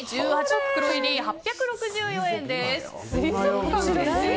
袋入り８６４円です。